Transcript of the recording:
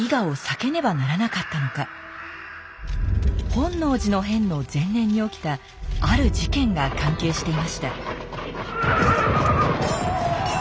本能寺の変の前年に起きたある事件が関係していました